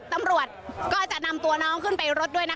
ตำรวจก็จะนำตัวน้องขึ้นไปรถด้วยนะคะ